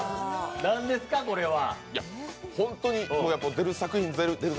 何ですか、これは。